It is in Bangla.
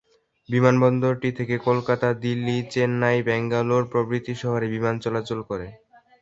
বিমানবন্দরটি থেকে কলকাতা, দিল্লী, চেন্নাই, ব্যাঙ্গালোর প্রভৃতি শহরে বিমান চলাচল করে।